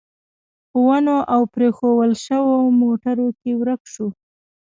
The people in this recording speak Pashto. په ونو او پرېښوول شوو موټرو کې ورک شو.